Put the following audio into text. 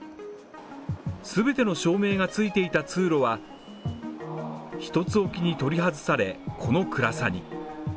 すべての照明がついていた通路は１つおきに取り外され、この暗さに。